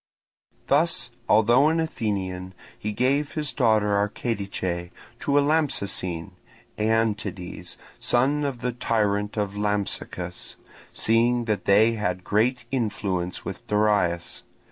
Thus, although an Athenian, he gave his daughter, Archedice, to a Lampsacene, Aeantides, son of the tyrant of Lampsacus, seeing that they had great influence with Darius.